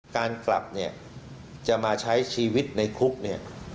การกลับเนี่ยจะมาใช้ชีวิตในคุกเนี่ย